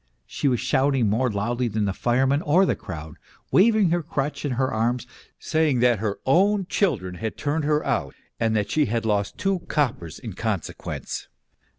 She was shouting more loudly than the firemen or the crowd, waving her crutch and her arms, saying that her own children had turned her out and that she had lost two coppers in consequence.